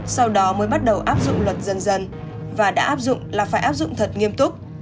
sau đó mới bắt đầu áp dụng luật dân dân và đã áp dụng là phải áp dụng thật nghiêm túc